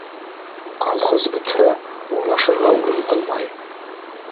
Колхоз бөтһә, урлашырға урын ҡалмай.